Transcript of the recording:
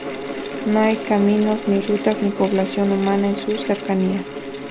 No hay caminos ni rutas ni población humana en sus cercanías.